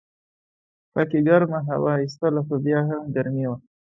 پکې ګرمه هوا ایستله خو بیا هم ګرمي وه.